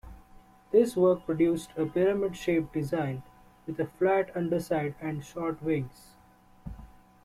This work produced a pyramid-shaped design with a flat underside and short wings.